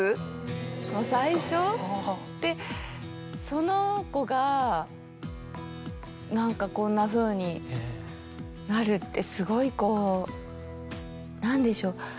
その子が何かこんなふうになるってすごいこう何でしょう。